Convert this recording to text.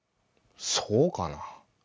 そうかな。